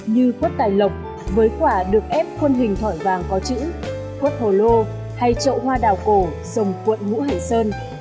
như quất tài lộc với quả được ép khuôn hình thỏi vàng có chữ quất hồ lô hay trậu hoa đào cổ sồng cuộn ngũ hải sơn